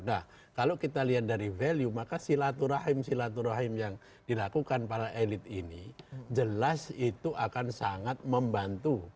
nah kalau kita lihat dari value maka silaturahim silaturahim yang dilakukan para elit ini jelas itu akan sangat membantu